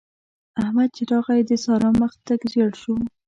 احمد چې راغی؛ د سارا مخ تک ژړ شو.